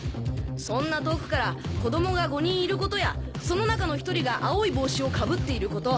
そんな遠くから子供が５人いることやその中の１人が青い帽子を被っていること。